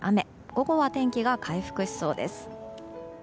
午後は天気が回復しそうです。